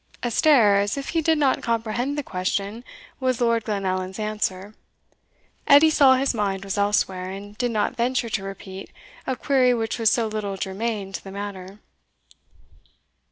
A stare, as if he did not comprehend the question, was Lord Glenallan's answer. Edie saw his mind was elsewhere, and did not venture to repeat a query which was so little germain to the matter.